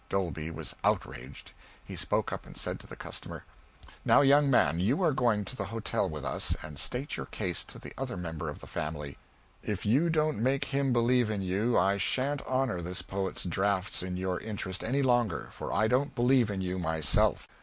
Dolby was outraged. He spoke up and said to the customer "Now, young man, you are going to the hotel with us and state your case to the other member of the family. If you don't make him believe in you I sha'n't honor this poet's drafts in your interest any longer, for I don't believe in you myself."